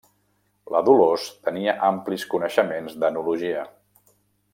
La Dolors tenia amplis coneixements d'enologia.